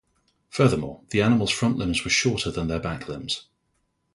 Furthermore, the animals' front limbs were shorter than their back limbs.